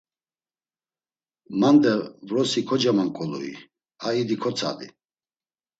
“Mandre vrosi kocemanǩolui, a idi kotsadi!”